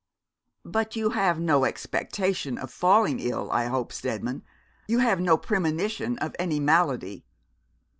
'But you have no expectation of falling ill, I hope, Steadman; you have no premonition of any malady?'